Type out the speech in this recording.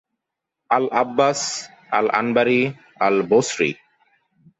al-Abbas আল-আনবারি al-Basri